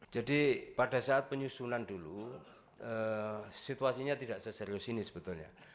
jadi pada saat penyusunan dulu situasinya tidak seserius ini sebetulnya